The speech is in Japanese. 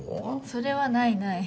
それはないない。